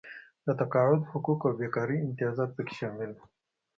د تقاعد حقوق او بېکارۍ امتیازات پکې شامل وو.